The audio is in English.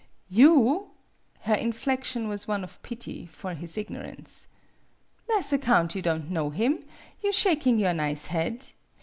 You?" Her inflection was one of pity for his ignorance. " Tha' 's account you don' know him, you shaking your nize head.